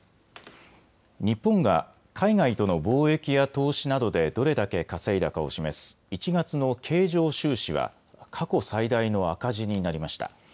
日本が海外との貿易や投資などでどれだけ稼いだかを示す１月の経常収支は過去最大の赤字になりました。